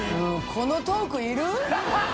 このトークいる？